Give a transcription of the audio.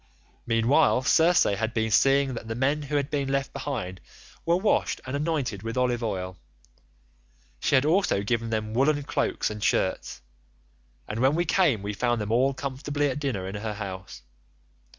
"Meanwhile Circe had been seeing that the men who had been left behind were washed and anointed with olive oil; she had also given them woollen cloaks and shirts, and when we came we found them all comfortably at dinner in her house.